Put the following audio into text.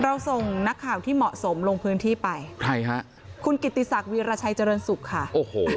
ส่งนักข่าวที่เหมาะสมลงพื้นที่ไปใครฮะคุณกิติศักดิราชัยเจริญสุขค่ะโอ้โห